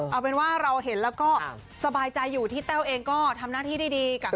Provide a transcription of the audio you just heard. เอาเป็นว่าเราเห็นแล้วก็สบายใจอยู่ที่แต้วเองก็ทำหน้าที่ได้ดีกับ